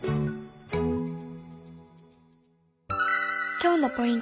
今日のポイント